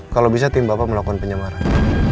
kalau bisa tim bapak melakukan penyemaran